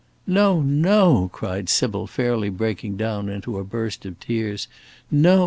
"No! no!" cried Sybil, fairly breaking down into a burst of tears; "no!